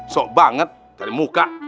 sok banget dari muka